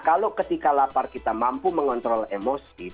kalau ketika lapar kita mampu mengontrol emosi